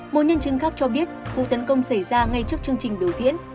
một nhân chứng khác cho biết vụ tấn công xảy ra ngay trước chương trình biểu diễn